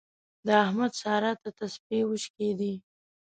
د احمد سارا ته تسپې وشکېدې.